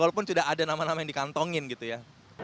walaupun sudah ada nama nama yang dikantongin gitu ya